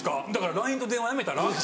「ＬＩＮＥと電話やめたら？」。